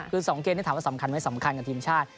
คือ๒เกมที่ถามว่าสำคัญไหมสำคัญกับทีมชาติ